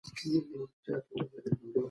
زده کړه د هر افغان ماشوم مسلم حق دی.